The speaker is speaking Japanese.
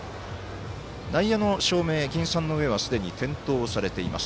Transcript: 内野の照明銀傘の上すでに点灯されています。